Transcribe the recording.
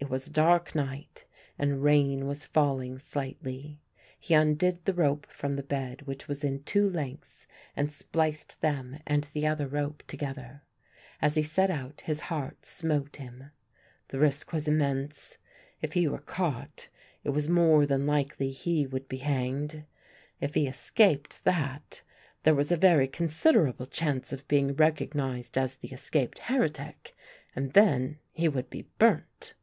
It was a dark night and rain was falling slightly; he undid the rope from the bed which was in two lengths and spliced them and the other rope together. As he set out his heart smote him. The risk was immense. If he were caught it was more than likely he would be hanged; if he escaped that, there was a very considerable chance of being recognised as the escaped heretic and then he would be burnt.